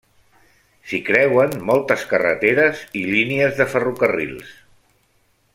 S'hi creuen moltes carreteres i línies de ferrocarrils.